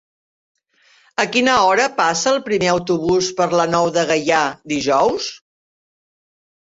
A quina hora passa el primer autobús per la Nou de Gaià dijous?